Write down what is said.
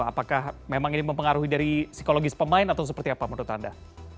apakah memang ini mempengaruhi dari psikologis pemain atau seperti apa menurut anda